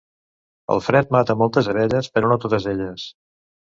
El fred mata moltes abelles, però no totes elles.